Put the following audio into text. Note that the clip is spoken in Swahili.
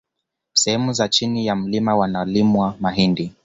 Sehemu za chini ya mlima wanalimwa mahindi